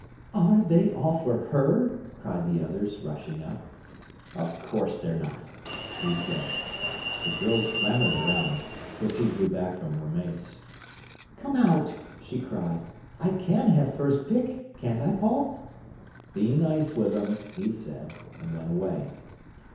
"Are they all for her?" cried the others, rushing up. "Of course they're not," he said. The girls clamoured round. Pussy drew back from her mates. "Come out!" she cried. "I can have first pick, can't I, Paul?" "Be nice with 'em," he said, and went away.